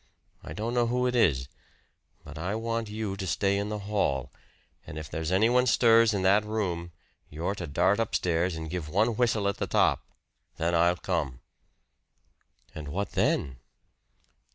I don't know who it is. But I want you to stay in the hall, and if there's anyone stirs in that room you're to dart upstairs and give one whistle at the top. Then I'll come." "And what then?"